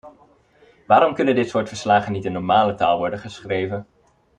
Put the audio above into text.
Waarom kunnen dit soort verslagen niet in normale taal worden geschreven?